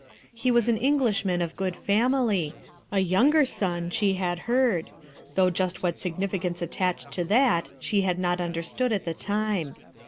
He was an Englishman of good family, a younger son she had heard, though just what significance attached to that, she had not understood at the time.